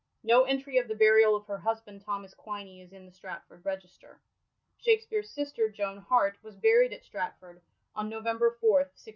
No entry of the burial of her husband Thomas Quiney is in the Stratford register. Shakspere's sister Joan Hart was buried at Stratford on November 4, 1646.